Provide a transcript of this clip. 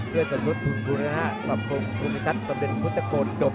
เพื่อชำนวดคุณคุณภัพท์สัมภัพธุมิชัศตำนึนพุทธกดฏม